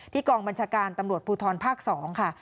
กองบัญชาการตำรวจภูทรภาค๒ค่ะ